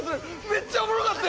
めっちゃおもろかった！